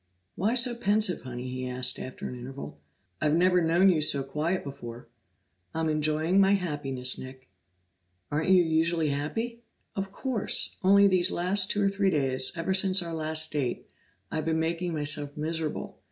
"Why so pensive, Honey?" he asked after an interval. "I've never known you so quiet before." "I'm enjoying my happiness, Nick." "Aren't you usually happy?" "Of course, only these last two or three days, ever since our last date, I've been making myself miserable.